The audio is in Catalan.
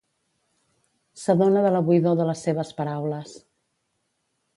S'adona de la buidor de les seves paraules.